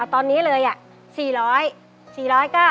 ตอนนี้เลย๔๐๐บาท